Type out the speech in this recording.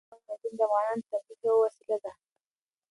د افغانستان ولايتونه د افغانانو د تفریح یوه وسیله ده.